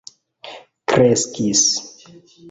kreskis